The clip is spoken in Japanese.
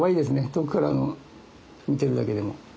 遠くから見てるだけでも。